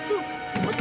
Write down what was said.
bersama buat kita